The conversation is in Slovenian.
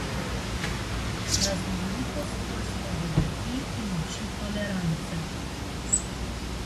Raznolikost nas obogati in uči tolerance.